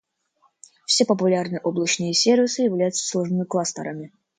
Все популярные облачные сервисы являются сложными кластерами.